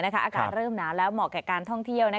อากาศเริ่มหนาวแล้วเหมาะกับการท่องเที่ยว